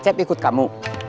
cetak ikut kamu